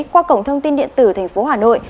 qua cổng thông tin điện tử thành phố hà nội